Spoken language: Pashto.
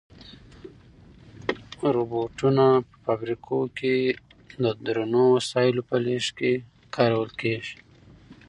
روبوټونه په فابریکو کې د درنو وسایلو په لېږد کې کارول کیږي.